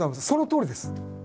そのとおりです。